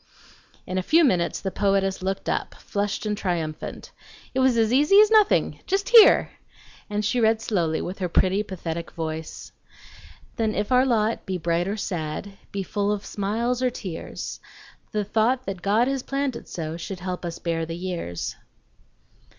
In a few minutes the poetess looked up, flushed and triumphant. "It was as easy as nothing. Just hear!" And she read slowly, with her pretty, pathetic voice: Then if our lot be bright or sad, Be full of smiles, or tears, The thought that God has planned it so Should help us bear the years.